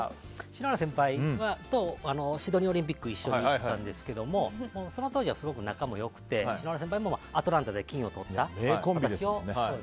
篠原先輩とシドニーオリンピック一緒だったんですがその当時は、すごく仲も良くて篠原先輩もアトランタで金を取った。